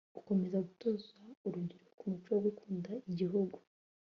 gukomeza gutoza urubyiruko umuco wo gukunda igihugu